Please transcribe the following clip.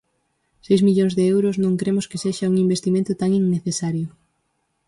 Seis millóns de euros non cremos que sexa un investimento tan innecesario.